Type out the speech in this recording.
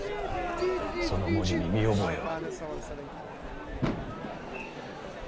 その文字に見覚えは。